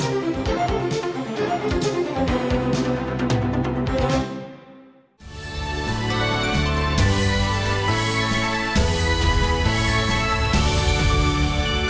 hẹn gặp lại